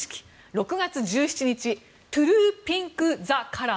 ６月１７日トゥルーピング・ザ・カラー。